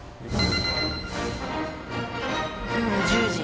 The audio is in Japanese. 夜１０時。